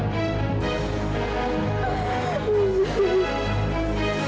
bapak jangan bapak jangan